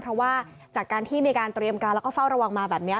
เพราะว่าจากการที่มีการเตรียมการแล้วก็เฝ้าระวังมาแบบนี้